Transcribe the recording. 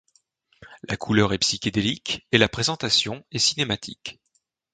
La couleur est psychédélique et la présentation est cinématique.